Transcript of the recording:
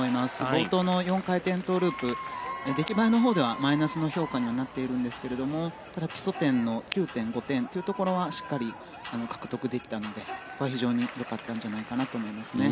冒頭の４回転トウループ出来栄えのほうではマイナスの評価にはなっているんですけれどもただ基礎点の９．５点というところはしっかり獲得できたので非常に良かったと思いますね。